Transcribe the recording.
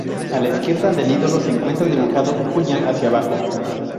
A la izquierda del ídolo se encuentra dibujado un puñal hacia abajo.